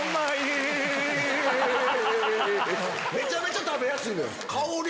めちゃめちゃ食べやすいのよ。